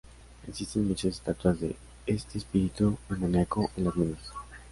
Existen muchas estatuas de este espíritu demoníaco en las minas.